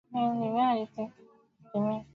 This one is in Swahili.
yanaofanyika takriban kwa kipindi cha mwezi mmoja